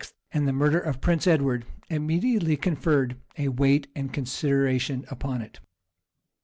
and the murder of Prince Edward, immediately conferred a weight and consideration upon it.